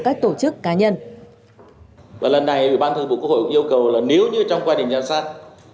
các tổ chức cá nhân và lần này ủy ban thường vụ quốc hội cũng yêu cầu là nếu như trong quá trình giám sát